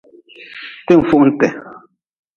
Ti-n fuhunti.